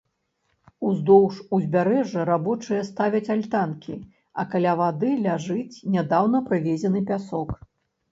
Уздоўж узбярэжжа рабочыя ставяць альтанкі, а каля вады ляжыць нядаўна прывезены пясок.